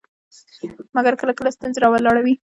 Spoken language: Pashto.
مګر کله کله ستونزې راولاړوي.